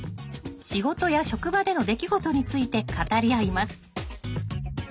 仕事や職場での出来事について語り合います。